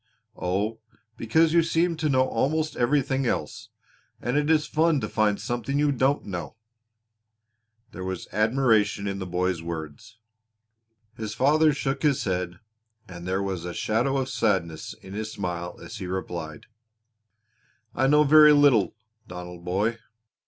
"Oh, because you seem to know almost everything else, and it is fun to find something you don't know." There was admiration in the boy's words. His father shook his head and there was a shadow of sadness in his smile as he replied: "I know very little, Donald boy.